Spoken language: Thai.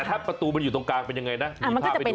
ถ้าประตูมันอยู่ตรงกลางเป็นยังไงนะมีภาพให้ดู